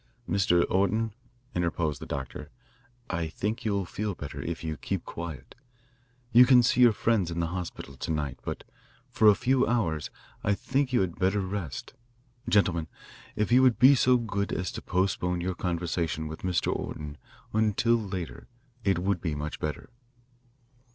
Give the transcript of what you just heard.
"Mr. Orton," interposed the doctor, "I think you'll feel better if you'll keep quiet. You can see your friends in the hospital to night, but for a few hours I think you had better rest. Gentlemen, if you will be so good as to postpone your conversation with Mr. Orton until later it would be much better."